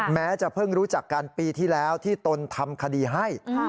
แม้จะเพิ่งรู้จักกันปีที่แล้วที่ตนทำคดีให้